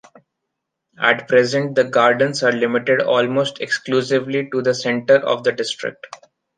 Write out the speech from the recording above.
At present, the gardens are limited almost exclusively to the center of the district.